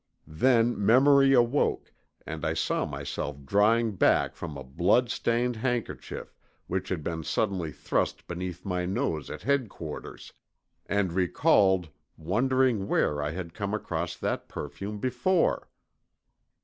Then memory awoke and I saw myself drawing back from a blood stained handkerchief which had been suddenly thrust beneath my nose at Headquarters, and recalled wondering where I had come across that perfume before.